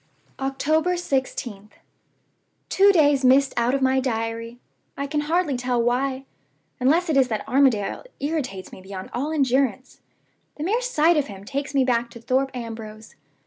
"October 16th. Two days missed out of my Diary! I can hardly tell why, unless it is that Armadale irritates me beyond all endurance. The mere sight of him takes me back to Thorpe Ambrose.